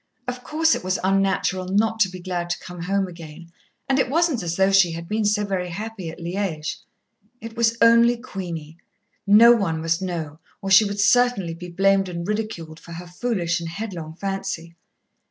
Of course it was unnatural not to be glad to come home again, and it wasn't as though she had been so very happy at Liège. It was only Queenie. No one must know, or she would certainly be blamed and ridiculed for her foolish and headlong fancy.